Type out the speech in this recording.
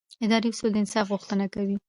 اداري اصول د انصاف غوښتنه کوي.